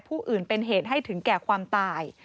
ผู้อื่นเป็นเหตุให้ถึงแก่ความตาย